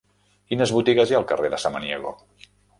Quines botigues hi ha al carrer de Samaniego?